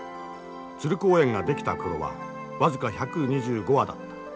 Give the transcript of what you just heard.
鶴公園が出来た頃は僅か１２５羽だった。